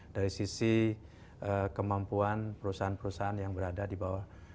dari sisi kemampuan perusahaan perusahaan yang berada di bawah